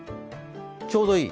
ちょうどいい？